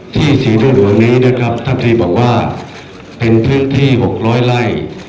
สีเหลืองหลวงนี้นะครับท่านตรีบอกว่าเป็นพื้นที่๖๐๐ไร่